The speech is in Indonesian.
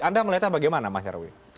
anda melihatnya bagaimana mas nyarwi